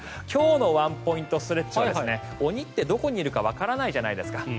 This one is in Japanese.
今日のワンポイントストレッチは鬼ってどこにいるかわからないじゃないですか。